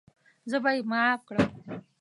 زه به یې معاف کړم.